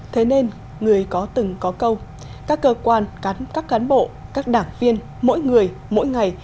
thế nên người có từng có câu các cơ quan các cán bộ các đảng viên mỗi người mỗi ngày